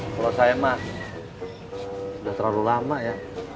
kalau saya mah sudah terlalu lama ya